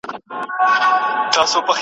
اوس د رقیبانو پېغورونو ته به څه وایو